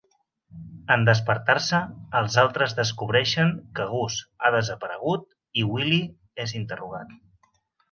En despertar-se, els altres descobreixen que Gus ha desaparegut i Willi és interrogat.